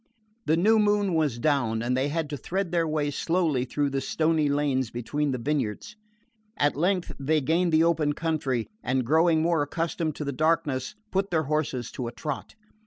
The new moon was down and they had to thread their way slowly through the stony lanes between the vineyards. At length they gained the open country, and growing more accustomed to the darkness put their horses to a trot.